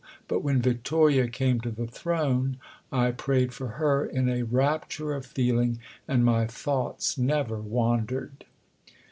But when Victoria came to the throne, I prayed for her in a rapture of feeling and my thoughts never wandered.